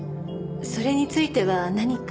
それについては何か？